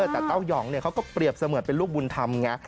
แต่เต้ายองเขาก็เปรียบเสมือนเป็นลูกบุญธรรมไง